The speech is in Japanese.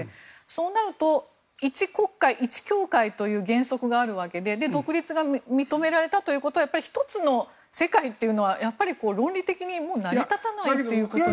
そうすると１国家１教会という原則があるわけで独立が認められたというのは１つの世界というのはやっぱり、論理的に成り立たないということ。